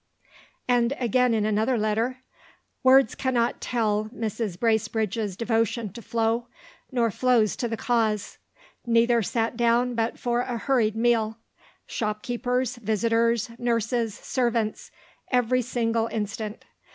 And again in another letter: Words cannot tell Mrs. Bracebridge's devotion to Flo, nor Flo's to the cause. Neither sat down but for a hurried meal. Shopkeepers, visitors, nurses, servants, every single instant.